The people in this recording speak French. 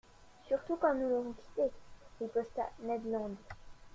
—Surtout quand nous l'aurons quitté !» riposta Ned Land.